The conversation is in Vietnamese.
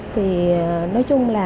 thì nói chung là